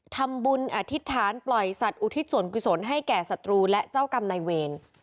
ทำบุญอธิษฐานปล่อยสัตว์อุทิศส่วนกุศลให้แก่ศัตรูและเจ้ากรรมนายเวร